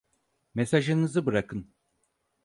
Mesajınızı bırakın.